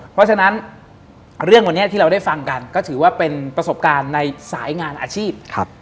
เพราะฉะนั้นเรื่องวันนี้ที่เราได้ฟังกันก็ถือว่าเป็นประสบการณ์ในสายงานอาชีพ